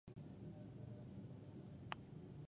ميين د کړم سوک د رانه کړ